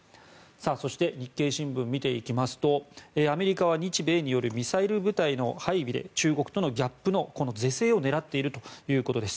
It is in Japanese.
そして日経新聞を見ていきますとアメリカは日米によるミサイル部隊の配備で中国とのギャップの是正を狙っているということです。